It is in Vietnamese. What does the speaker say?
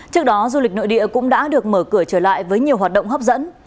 trước đó du lịch nội địa cũng đã được mở cửa trở lại với nhiều hoạt động hấp dẫn